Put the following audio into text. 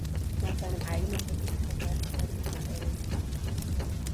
Nach seinem eigenen Bericht verehrte er den hl.